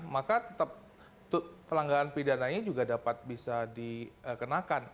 maka tetap pelanggaran pidananya juga dapat bisa dikenakan